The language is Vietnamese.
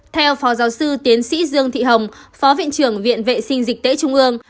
theo phó giáo sư tiến sĩ dương thị hồng phó viện trưởng viện vệ sinh dịch tễ trung ương